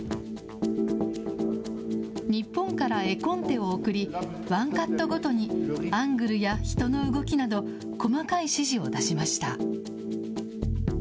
日本から絵コンテを送り、ワンカットごとに、アングルや人の動きなど、細かい指示を出しました。